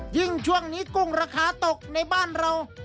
ช่วงนี้กุ้งราคาตกในบ้านเรา